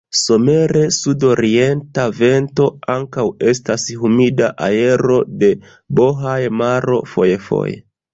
Somere, sudorienta vento, ankaŭ estas humida aero de Bohaj-maro fojfoje.